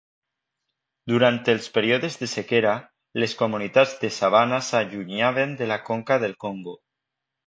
Durant els períodes de sequera les comunitats de sabana s'allunyaven de la conca del Congo.